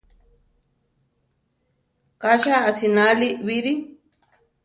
Ka cha asináli bíri!